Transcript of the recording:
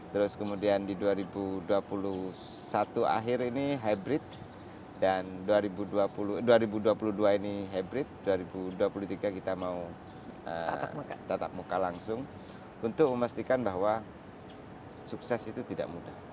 terus kemudian di dua ribu dua puluh satu akhir ini hybrid dan dua ribu dua puluh dua ini hybrid dua ribu dua puluh tiga kita mau tatap muka langsung untuk memastikan bahwa sukses itu tidak mudah